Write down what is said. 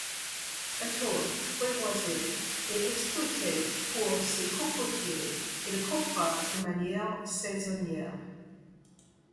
L'atoll, très boisé, est exploité pour ses cocotiers et le coprah de manière saisonnière.